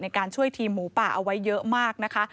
ในการช่วยทีมหมูป่าเอาไว้เยอะมากนะคะ